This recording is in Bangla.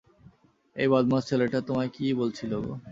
ওই বদমাশ ছেলেটা তোমায় কী বলছিল গো?